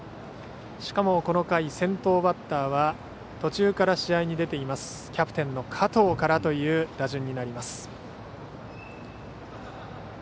しかもこの回、先頭バッターは途中から試合に出ているキャプテンの加藤からという打順。